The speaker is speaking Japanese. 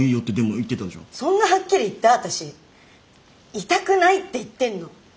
いたくないって言ってんの。